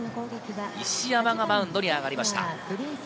石山がマウンドに上がりました。